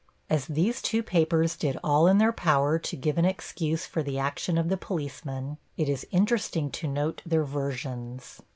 As these two papers did all in their power to give an excuse for the action of the policemen, it is interesting to note their versions.